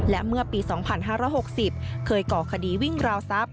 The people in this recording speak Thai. และเมื่อปี๒๕๖๐เคยก่อคดีวิ่งราวทรัพย